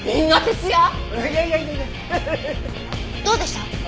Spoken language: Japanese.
どうでした？